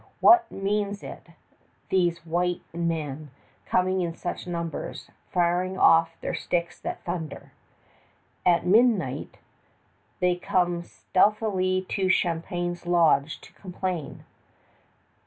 What means it, these white men, coming in such numbers, firing off their "sticks that thunder"? At midnight they come stealthily to Champlain's lodge to complain.